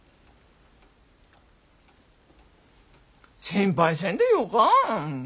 心配せんでよか。